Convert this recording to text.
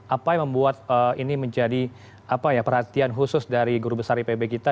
apa yang membuat ini menjadi perhatian khusus dari guru besar ipb kita